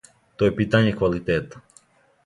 То је питање квалитета.